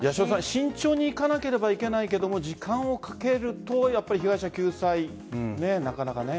慎重に行かなければいけないけど時間をかけると被害者救済、なかなかね。